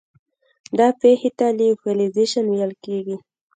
دا پېښې ته لیوفیلیزیشن ویل کیږي.